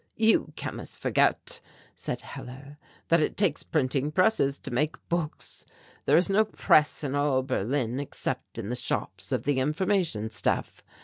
"You chemists forget," said Hellar, "that it takes printing presses to make books. There is no press in all Berlin except in the shops of the Information Staff.